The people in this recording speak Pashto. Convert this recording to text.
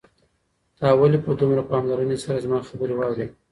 تا ولې په دومره پاملرنې سره زما خبرې واورېدې؟